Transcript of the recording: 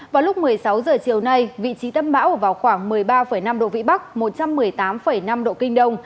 vào lúc một mươi sáu h chiều nay vị trí tâm bão ở vào khoảng một mươi ba năm độ vĩ bắc một trăm một mươi tám năm độ kinh đông